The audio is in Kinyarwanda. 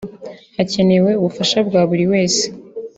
…hakenewe ubufasha bwa buri wese